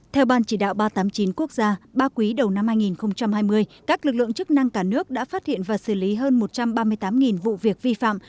theo ban chỉ đạo ba trăm tám mươi chín quốc gia ba quý đầu năm hai nghìn hai mươi các lực lượng chức năng cả nước đã phát hiện và xử lý hơn một trăm ba mươi tám vụ việc vi phạm